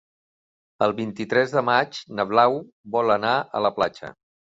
El vint-i-tres de maig na Blau vol anar a la platja.